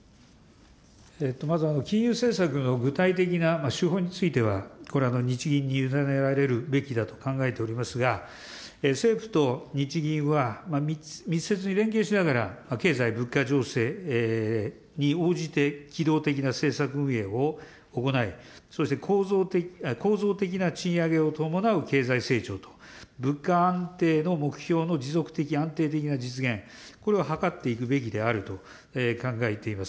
まず金融政策の具体的な手法については、これ、日銀に委ねられるべきだと考えておりますが、政府と日銀は、密接に連携しながら、経済物価情勢に応じて、機動的な政策運営を行い、そして構造的な賃上げを伴う経済成長と、物価安定の目標の持続的、安定的な実現、これを図っていくべきであると考えています。